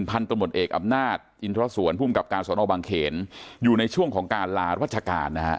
พันธมตเอกอำนาจอินทรสวนภูมิกับการสนบังเขนอยู่ในช่วงของการลารัชการนะฮะ